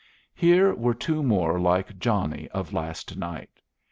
Here were two more like Johnnie of last night.